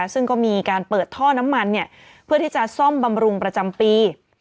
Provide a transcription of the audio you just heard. ซึ่งก็มีการเปิดท่อน้ำมันเพื่อที่จะซ่อมบำรุงประจำปี